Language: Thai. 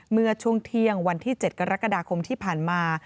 เมื่อช่วงเที่ยงวันที่๗กรกฎาคมที่ผ่านมา